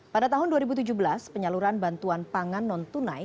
pada tahun dua ribu tujuh belas penyaluran bantuan pangan non tunai